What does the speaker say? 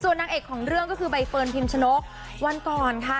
นางเอกของเรื่องก็คือใบเฟิร์นพิมชนกวันก่อนค่ะ